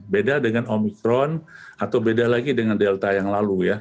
beda dengan omikron atau beda lagi dengan delta yang lalu ya